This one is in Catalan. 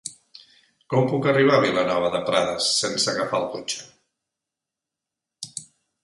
Com puc arribar a Vilanova de Prades sense agafar el cotxe?